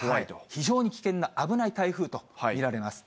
非常に危険な危ない台風と見られます。